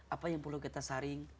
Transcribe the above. apa yang perlu kita saring